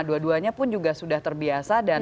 dua duanya pun juga sudah terbiasa dan